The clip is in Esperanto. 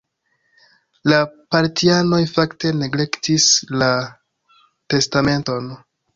La partianoj fakte neglektis la testamenton.